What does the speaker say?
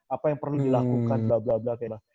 apa yang perlu dilakukan blablabla